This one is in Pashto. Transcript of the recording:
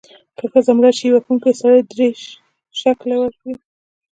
که ښځه مړه شي، وهونکی سړی دیرش شِکِل ورکړي.